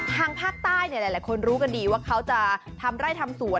ทางภาคใต้หลายคนรู้กันดีว่าเขาจะทำไร่ทำสวน